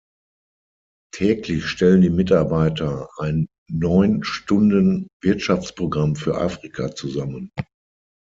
Täglich stellen die Mitarbeiter ein neun Stunden Wirtschaftsprogramm für Afrika zusammen.